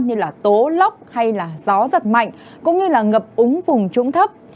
như là tố lóc hay là gió giật mạnh cũng như là ngập úng vùng trũng thấp